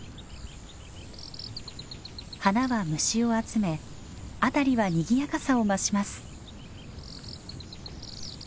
花は虫を集め辺りはにぎやかさを増します。